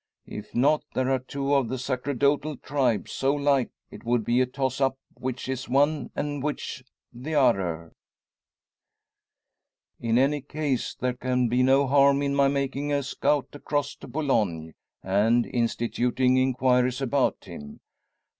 If not, there are two of the sacerdotal tribe so like it would be a toss up which is one and which t'other. "In any case there can be no harm in my making a scout across to Boulogne, and instituting inquiries about him.